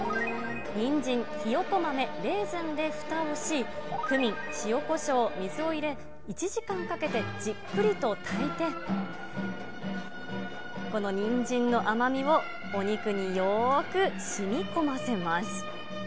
にんじん、ひよこ豆、レーズンでふたをし、クミン、塩こしょう、水を入れ、１時間かけてじっくりと炊いて、このにんじんの甘みをお肉によーくしみこませます。